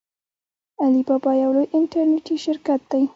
علي بابا یو لوی انټرنیټي شرکت دی.